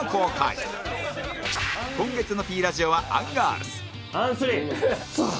今月の Ｐ ラジオはアンガールズ